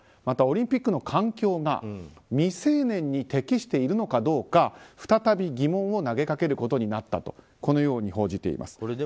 またオリンピックの環境が未成年に適しているのかどうか再び疑問を投げかけることになったとこのように報じています。